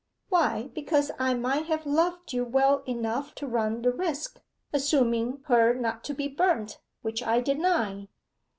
'Why because I might have loved you well enough to run the risk (assuming her not to be burnt, which I deny).